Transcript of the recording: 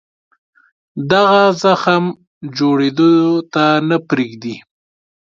دغه زخم جوړېدو ته نه پرېږدي.